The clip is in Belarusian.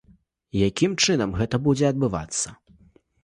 Якім чынам гэта будзе адбывацца?